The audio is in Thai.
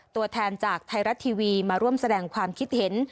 ตัวแทนจากไทยรัฐทีวีมาร่วมแสดงความคิดเห็น